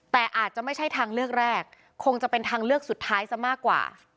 แต่อาจจะไม่ใช่ทางเลือกแรกคงจะเป็นทางเลือกสุดท้ายซะมากกว่า